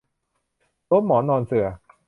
ล้มหมอนนอนเสื่อ